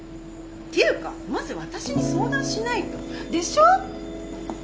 っていうかまず私に相談しないと。でしょ？